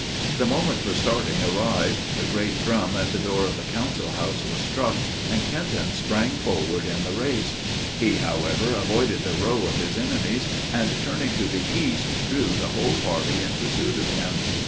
The moment for starting arrived, the great drum at the door of the council house was struck; and Kenton sprang forward in the race. He, however, avoided the row of his enemies, and, turning to the east, drew the whole party in pursuit of him.